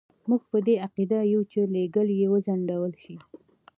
موږ په دې عقیده یو چې لېږل یې وځنډول شي.